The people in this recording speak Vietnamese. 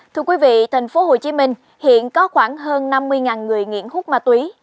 thưa quý vị thành phố hồ chí minh hiện có khoảng hơn năm mươi người nghiện hút ma túy